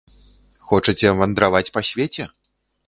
Хочаце вандраваць па свеце?